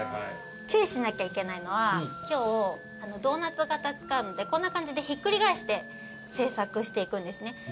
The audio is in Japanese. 注意しなきゃいけないのは今日ドーナツ型使うのでこんな感じでひっくり返して制作していくんですね。